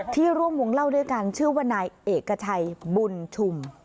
ร่วมวงเล่าด้วยกันชื่อว่านายเอกชัยบุญชุม